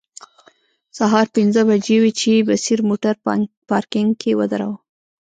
سهار پنځه بجې وې چې بصیر موټر پارکینګ کې ودراوه.